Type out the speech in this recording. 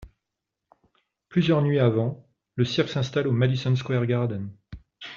Plusieurs nuits avant, le cirque s'installe au Madison Square Garden.